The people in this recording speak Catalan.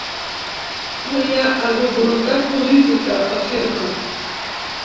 No hi ha hagut voluntat política, afirma.